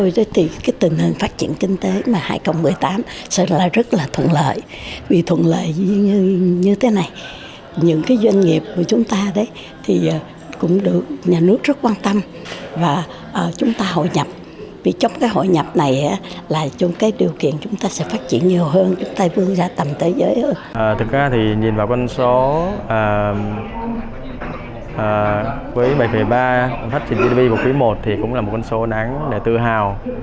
với bảy ba phát triển gdp vào quý i thì cũng là một con số đáng tự hào